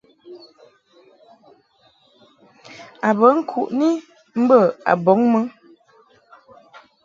A bə ŋkuʼni mbə a bɔŋ mɨ.